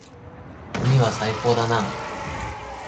海は最高だな。